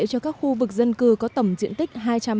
cho các khu vực dân cư có tổng diện tích